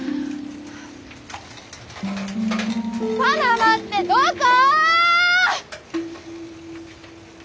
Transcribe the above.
パナマってどこ！？